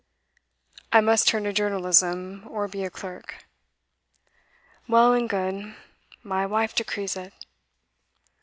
I must turn to journalism, or be a clerk. Well and good. My wife decrees it.